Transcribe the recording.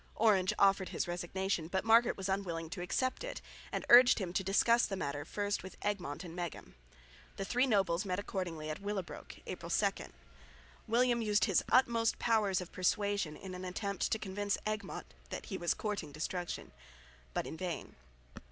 Orange offered his resignation, but Margaret was unwilling to accept it and urged him to discuss the matter first with Egmont and Meghem. The three nobles met accordingly at Willebroek, April 2. William used his utmost powers of persuasion in an attempt to convince Egmont that he was courting destruction. But in vain.